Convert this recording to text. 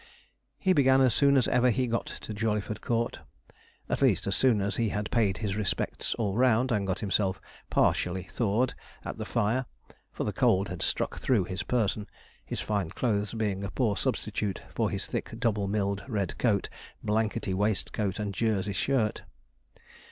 He began as soon as ever he got to Jawleyford Court at least, as soon as he had paid his respects all round and got himself partially thawed at the fire; for the cold had struck through his person, his fine clothes being a poor substitute for his thick double milled red coat, blankety waistcoat, and Jersey shirt.